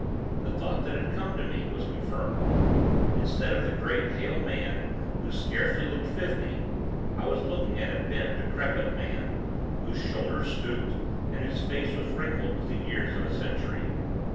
The thought that had come to me, was confirmed. Instead of the great, hale man, who scarcely looked fifty, I was looking at a bent, decrepit man, whose shoulders stooped, and whose face was wrinkled with the years of a century.